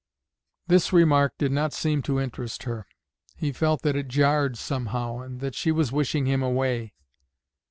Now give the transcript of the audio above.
This remark did not seem to interest her. He felt that it jarred somehow, and that she was wishing him away.